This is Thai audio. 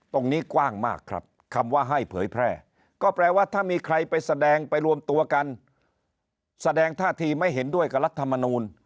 ตรงนี้กว้างมากครับคำว่าให้เผยแพร่ก็แปลว่าถ้ามีใครไปแสดงไปรวมตัวกันแสดงท่าทีไม่เห็นด้วยกับรัฐมนูล